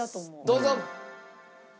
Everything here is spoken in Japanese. どうぞ！